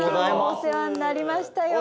おせわになりましたよ。